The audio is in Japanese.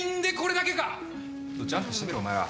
ジャンプしてみろお前ら。